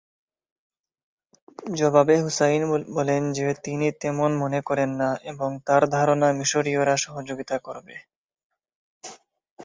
জবাবে হুসাইন বলেন যে তিনি তেমন মনে করেন না এবং তার ধারণা মিশরীয়রা সহযোগিতা করবে।